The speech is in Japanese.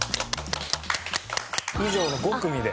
以上の５組で。